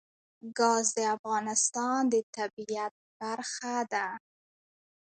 ګاز د افغانستان د طبیعت برخه ده.